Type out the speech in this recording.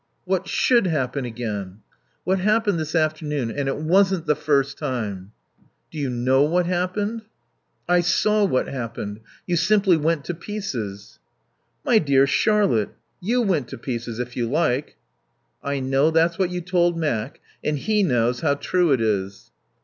"What should happen again?" "What happened this afternoon.... And it wasn't the first time." "Do you know what happened?" "I saw what happened. You simply went to pieces." "My dear Charlotte, you went to pieces, if you like." "I know that's what you told Mac. And he knows how true it is."